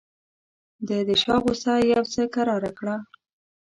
ده د شاه غوسه یو څه کراره کړه.